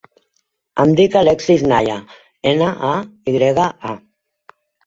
Em dic Alexis Naya: ena, a, i grega, a.